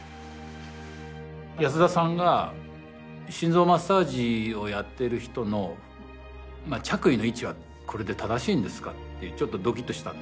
安田さんが「心臓マッサージをやってる人の着衣の位置はこれで正しいんですか？」ってちょっとドキッとしたんですけど。